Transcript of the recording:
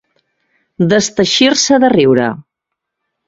Desteixir-se de riure.